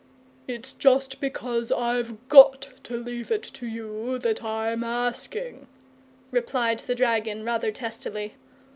"It's just because I've GOT to leave it to you that I'm asking," replied the dragon, rather testily.